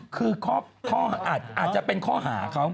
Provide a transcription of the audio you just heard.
คือเคราะห์อาจจะเป็นข้อหาเขา